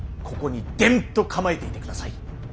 ここにでんと構えていてください。